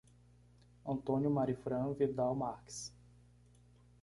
Antônio Marifram Vidal Marques